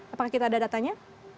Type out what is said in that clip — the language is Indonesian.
apakah kita ada datanya